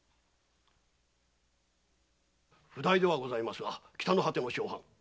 譜代ではございますが北の果ての小藩。